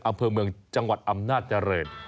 อำเภอเมืองจังหวัดอำนาจเจริญ